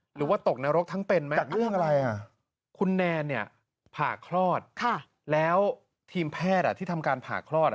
หรือว่าตกนรกทั้งเป็นไหมจากเรื่องอะไรคุณแนนเนี่ยผ่าคลอดแล้วทีมแพทย์ที่ทำการผ่าคลอด